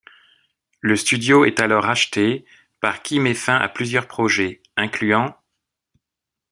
Le studio est alors racheté par qui met fin à plusieurs projets, incluant '.